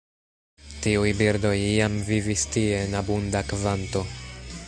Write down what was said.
Tiuj birdoj iam vivis tie en abunda kvanto.